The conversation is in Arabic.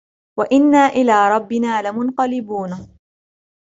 وإنا إلى ربنا لمنقلبون